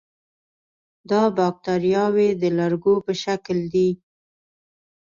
دا باکتریاوې د لرګو په شکل دي.